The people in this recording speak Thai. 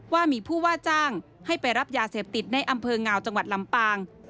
ว่ามีผู้ว่าจ้างให้ไปรับยาเสพติดในอำเภองาวจังหวัดลำปาง